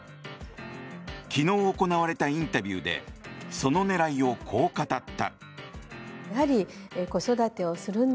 昨日行われたインタビューでその狙いをこう語った。